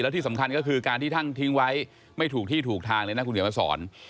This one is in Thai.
ที่สำคัญก็คือการที่ท่านทิ้งไว้ไม่ถูกที่ถูกทางเลยนะคุณเขียนมาสอน